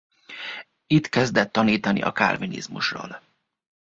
Itt kezdett tanítani a kálvinizmusról.